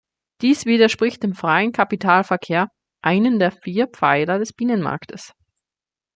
Dies widerspricht dem freien Kapitalverkehr, einem der vier Pfeiler des Binnenmarkts.